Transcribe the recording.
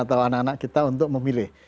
atau anak anak kita untuk memilih